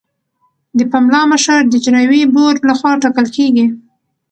د پملا مشر د اجرایوي بورډ لخوا ټاکل کیږي.